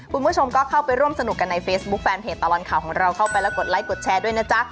คุณผู้ชมก็เข้าไปร่วมสนุกกันในเฟซบุ๊คแฟนเพจตลอดข่าวของเราเข้าไปแล้วกดไลคดแชร์ด้วยนะจ๊ะ